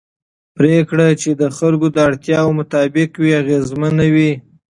پرېکړې چې د خلکو د اړتیاوو مطابق وي اغېزمنې وي